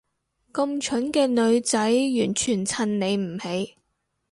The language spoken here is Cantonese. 咁蠢嘅女仔完全襯你唔起